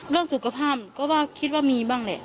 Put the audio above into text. เรื่องสุขภาพก็ว่าคิดว่ามีบ้างแหละ